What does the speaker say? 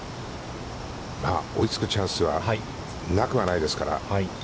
追いつくチャンスはなくはないですから。